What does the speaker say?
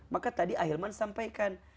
maka tadi ahilman sampaikan